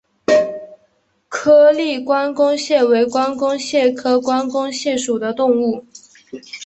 颗粒关公蟹为关公蟹科关公蟹属的动物。